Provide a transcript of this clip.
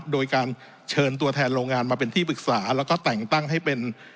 โดยการเชิญตัวแทนโรงงานมาเป็นที่ปรึกษาแล้วก็แต่งตั้งให้เป็น